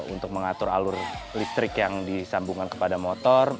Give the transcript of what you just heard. untuk mengatur alur listrik yang disambungkan kepada motor